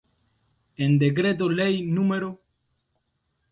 En Decreto Ley No.